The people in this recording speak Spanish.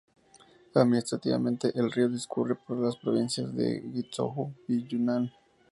Administrativamente, el río discurre por las provincias de Guizhou y Yunnan.